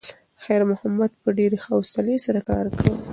خیر محمد په ډېرې حوصلې سره کار کاوه.